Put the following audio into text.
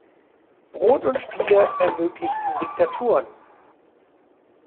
Brot und Spiele ermöglichten Diktaturen.